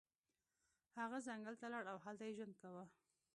هغه ځنګل ته لاړ او هلته یې ژوند کاوه.